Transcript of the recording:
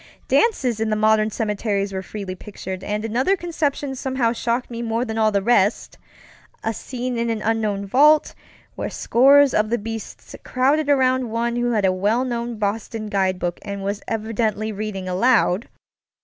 Dances in the modern cemeteries were freely pictured, and another conception somehow shocked me more than all the restŌĆöa scene in an unknown vault, where scores of the beasts crowded about one who held a well known Boston guidebook and was evidently reading aloud.